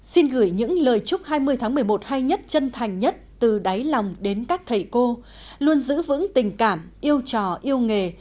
xin gửi những lời chúc hai mươi tháng một mươi một hay nhất chân thành nhất từ đáy lòng đến các thầy cô luôn giữ vững tình cảm yêu trò yêu nghề